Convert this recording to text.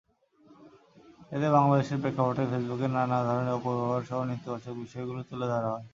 এতে বাংলাদেশের প্রেক্ষাপটে ফেসবুকের নানা ধরনের অপব্যবহারসহ নেতিবাচক বিষয়গুলো তুলে ধরা হয়।